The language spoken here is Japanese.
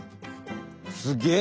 すげえ！